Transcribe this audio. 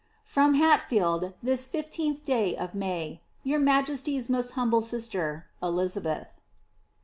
From Hatfield, this l(Hh day of May. ^ Your majeitty's most humble lister, Elixabxtb.''